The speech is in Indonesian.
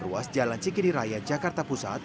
ruas jalan cikini raya jakarta pusat